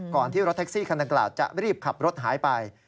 ก่อนที่รถแท็กซี่คันตะกราศจะรีบขับรถหายไป